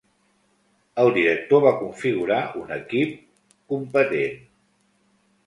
El director va configurar un equip competent.